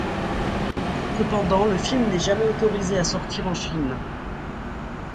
Cependant, le film n'est jamais autorisé à sortir en Chine.